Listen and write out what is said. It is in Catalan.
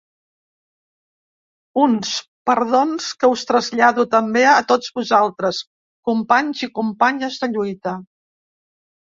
Uns perdons que us trasllado també a tots vosaltres, companys i companyes de lluita.